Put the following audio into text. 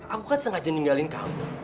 aku kan sengaja ninggalin kamu